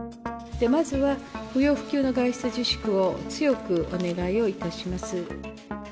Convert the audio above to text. まずは不要不急の外出自粛を強くお願いをいたします。